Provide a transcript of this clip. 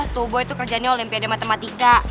tuh boy tuh kerjaannya olimpiade matematika